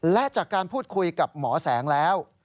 และจากการพูดคุยกับหมอแสงแล้ว